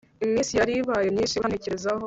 Iminsi yari ibaye myinshi utantekerezaho